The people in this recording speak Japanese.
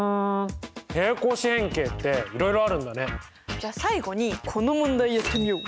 じゃ最後にこの問題やってみよう。